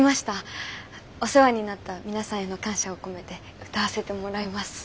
お世話になった皆さんへの感謝を込めて歌わせてもらいます。